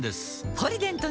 「ポリデント」